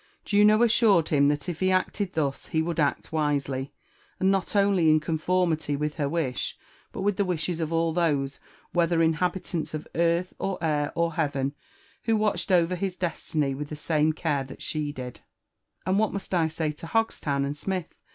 Juno assured him that if he acted thus, he would act wisely, and not only in conformity with her wish, but with the wishes of all those, whether inhabitants of earth, or air, or heaven, who watched over his destiny with the same care that she did. S16 UFE ANtt ADVENTURES OF '* And what most I say to Hogstown and Smith